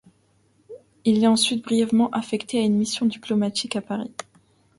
Il est ensuite brièvement affecté à une mission diplomatique à Paris.